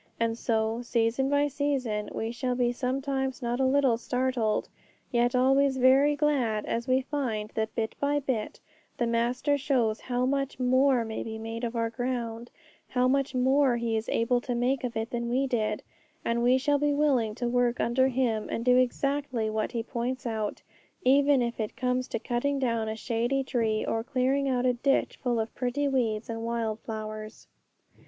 And so, season by season, we shall be sometimes not a little startled, yet always very glad, as we find that bit by bit the Master shows how much more may be made of our ground, how much more He is able to make of it than we did; and we shall be willing to work under Him and do exactly what He points out, even if it comes to cutting down a shady tree, or clearing out a ditch full of pretty weeds and wild flowers.